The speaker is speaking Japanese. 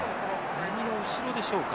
耳の後ろでしょうか。